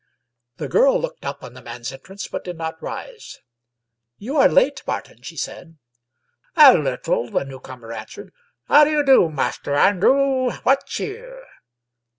The girl looked up on the man's entrance, but did not rise. ^* You are late, Martin," she said. " A little," the newcomer answered. " How do you do, Master Andrew? What cheer?